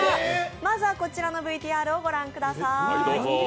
まずは、こちらのＶＴＲをご覧ください。